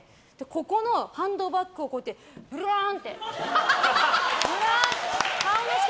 ここのハンドバッグをこうやって、ぶらーん！